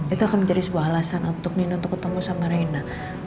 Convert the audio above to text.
itu akan menjadi sebuah alasan untuk nina untuk ketemu sama raina